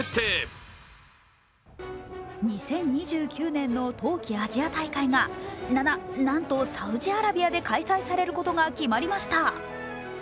２０２９年の冬季アジア大会がな、な、なんとサウジアラビアで開催されることが決定しました。